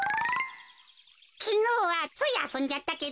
きのうはついあそんじゃったけど。